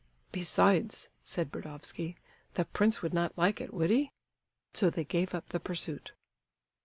"Besides," said Burdovsky, "the prince would not like it, would he?" So they gave up the pursuit.